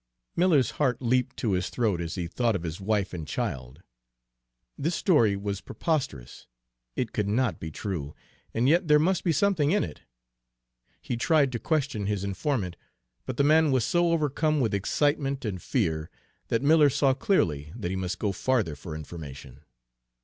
Miller's heart leaped to his throat, as he thought of his wife and child. This story was preposterous; it could not be true, and yet there must be something in it. He tried to question his informant, but the man was so overcome with excitement and fear that Miller saw clearly that he must go farther for information.